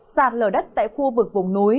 sạt lở đất tại khu vực vùng núi